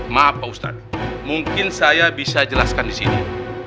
maaf pak ustadz mungkin saya bisa jelaskan di sini